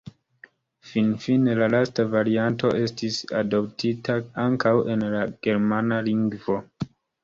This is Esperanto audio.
Finfine la lasta varianto estis adoptita ankaŭ en la germana lingvo.